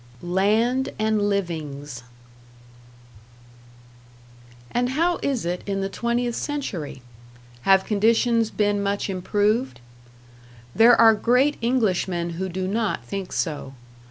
#Land and Livings# And how is it in the twentieth century? Have conditions been much improved? There are great Englishmen who do not think so.